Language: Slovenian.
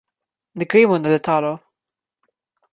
Ne gremo na letalo.